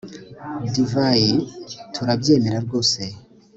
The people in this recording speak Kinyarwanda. divayi turabyemera rwose